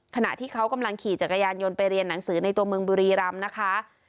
ขณะที่เขากำลังขี่จักรยานยนต์ไปเรียนหนังสือในตัวเมืองบุรีรำนะคะ